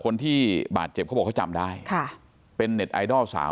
คนที่บาดเจ็บเขาบอกเขาจำได้ค่ะเป็นเน็ตไอดอลสาว